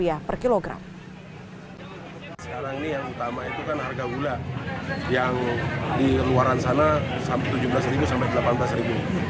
sekarang ini yang utama itu kan harga gula yang di luaran sana rp tujuh belas sampai rp delapan belas